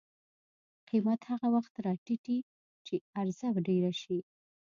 قیمت هغه وخت راټیټي چې عرضه ډېره شي.